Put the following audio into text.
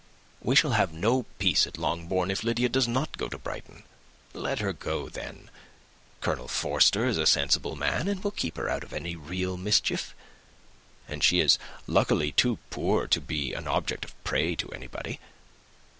We shall have no peace at Longbourn if Lydia does not go to Brighton. Let her go, then. Colonel Forster is a sensible man, and will keep her out of any real mischief; and she is luckily too poor to be an object of prey to anybody.